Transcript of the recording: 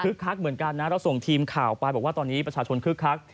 คักเหมือนกันนะเราส่งทีมข่าวไปบอกว่าตอนนี้ประชาชนคึกคัก